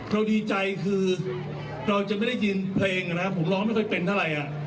ดีใจคือเราจะไม่ได้ยินเพลงนะผมร้องไม่ค่อยเป็นเท่าไหร่